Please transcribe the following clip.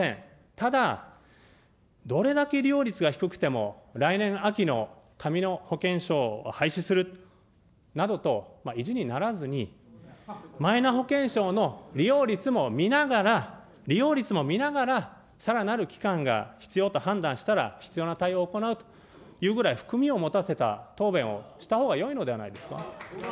ただ、どれだけ利用率が低くても、来年秋の紙の保険証を廃止するなどと意地にならずに、マイナ保険証の利用率も見ながら、利用率も見ながらさらなる期間が必要と判断したら、必要な対応を行うというぐらい、含みを持たせた答弁をしたほうがよいのではないですか。